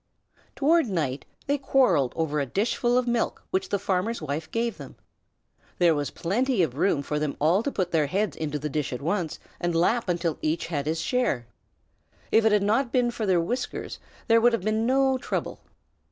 Toward night they quarrelled over a dishful of milk which the farmer's wife gave them. There was plenty of room for them all to put their heads into the dish at once and lap until each had his share. If it had not been for their whiskers, there would have been no trouble.